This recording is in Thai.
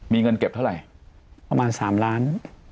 มีเงินเก็บเท่าไหร่ประมาณ๓ล้าน